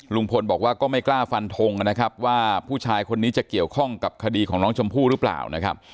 ลุงพลบอกว่าก็ไม่กล้าฟันทงนะครับว่าผู้ชายคนนี้จะเกี่ยวข้องกับคดีของน้องชมพู่หรือเปล่านะครับ